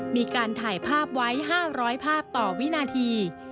มีการถ่ายภาพไว้๕๐๐ภาพต่อวินาที